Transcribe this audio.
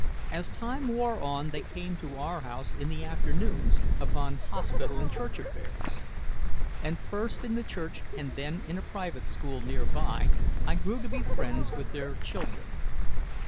As time wore on they came to our house in the afternoons, upon hospital and church affairs. And first in the church and then in a private school near by I grew to be friends with their children.